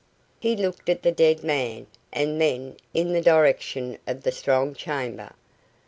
He looked at the dead man, and then in the direction of the strong chamber.